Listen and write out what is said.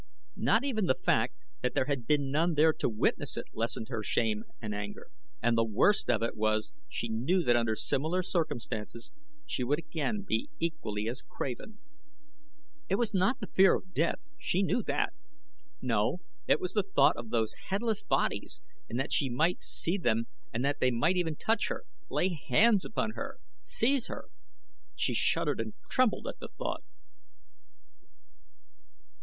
Not even the fact that there had been none there to witness it lessened her shame and anger, and the worst of it was she knew that under similar circumstances she would again be equally as craven. It was not the fear of death she knew that. No, it was the thought of those headless bodies and that she might see them and that they might even touch her lay hands upon her seize her. She shuddered and trembled at the thought.